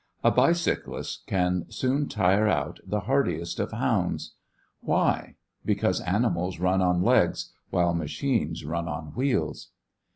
A bicyclist can soon tire out the hardiest of hounds. Why? Because animals run on legs, while machines run on wheels.